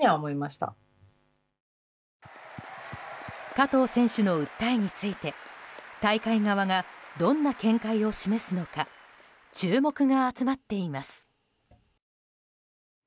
加藤選手の訴えについて大会側がどんな見解を示すのか注目が集まっています。